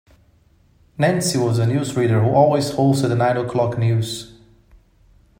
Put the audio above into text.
Nancy was the newsreader who always hosted the nine o'clock news